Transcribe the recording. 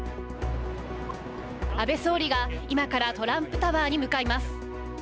安倍総理が今からトランプタワーに向かいます。